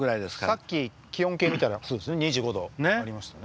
さっき気温計見たら２５度ありましたね。